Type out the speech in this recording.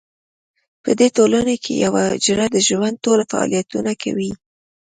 په دې ټولنو کې یوه حجره د ژوند ټول فعالیتونه کوي.